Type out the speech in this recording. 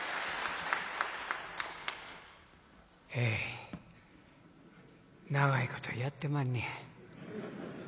え長いことやってまんねや。